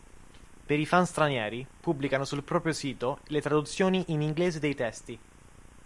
Per i fan stranieri pubblicano sul proprio sito le traduzioni in inglese dei testi.